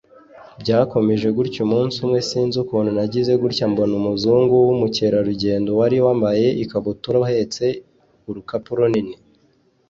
Byakomeje gutyo umunsi umwe sinzi ukuntu nagize gutya mbona umuzungu w’umukerarugendo wari wambaye ikabutura ahetse urukapu runini